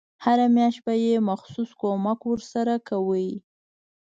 هره میاشت به یې مخصوص کمک ورسره کاوه.